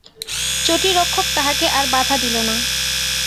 চটি-রক্ষক তাঁহাকে আর বাধা দিল না।